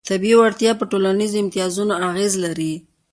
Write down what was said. طبیعي وړتیاوې په ټولنیزو امتیازونو اغېز لري.